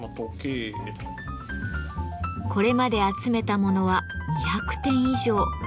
これまで集めた物は２００点以上。